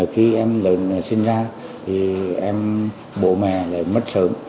khi em sinh ra thì em bộ mẹ lại mất sở